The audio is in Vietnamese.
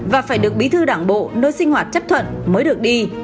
và phải được bí thư đảng bộ nơi sinh hoạt chấp thuận mới được đi